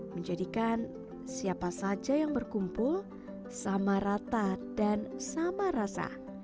menjadikan siapa saja yang berkumpul sama rata dan sama rasa